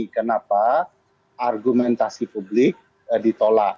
kenapa argumentasi publik ditolak